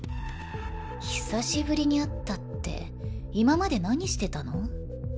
久しぶりに会ったって今まで何してたの？